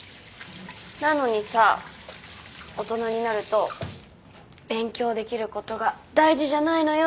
なのにさ大人になると「勉強できることが大事じゃないのよ」